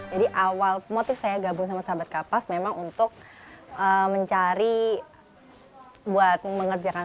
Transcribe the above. jadi awal motif saya gabung sama sahabat kapas memang untuk mencari buat mengerjakan